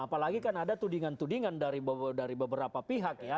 apalagi kan ada tudingan tudingan dari beberapa pihak ya